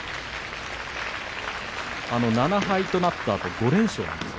７敗となったあと５連勝しました。